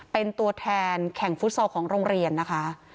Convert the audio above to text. เป็นตัวแทนแข่งฟุตซอลของโรงเรียนนะคะ